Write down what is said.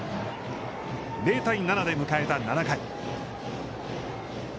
０対７で迎えた７回。